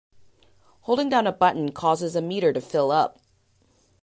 Holding down a button causes a meter to fill up.